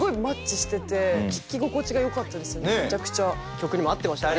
曲にも合ってましたね。